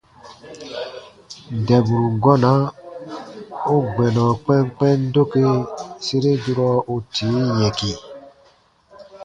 Dɛburu gɔna u gbɛnɔ kpɛnkpɛn doke sere durɔ u tii yɛ̃ki.